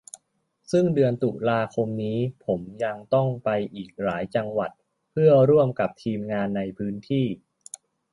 ซึ่งเดือนตุลาคมนี้ผมยังต้องไปอีกหลายจังหวัด เพื่อร่วมกับทีมงานในพื้นที่